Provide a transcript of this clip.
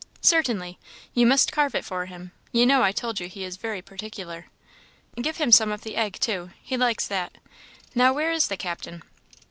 "Certainly. You must carve it for him; you know I told you he is very particular. Give him some of the egg, too he likes that. Now, where is the Captain?"